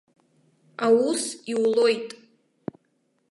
Аус иулоит.